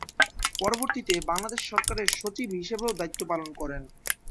পরবর্তীতে বাংলাদেশ সরকারের সচিব হিসেবেও দায়িত্ব পালন করেন।